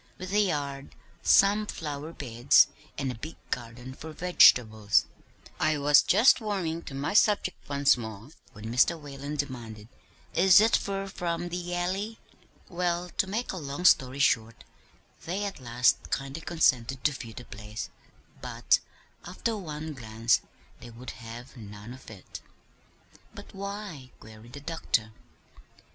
'With a yard, some flower beds, and a big garden for vegetables.' I was just warming to my subject once more when Mr. Whalen demanded, 'Is it fur from the Alley?' "Well, to make a long story short, they at last kindly consented to view the place; but, after one glance, they would have none of it." "But why?" queried the doctor.